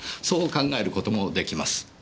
そう考える事もできます。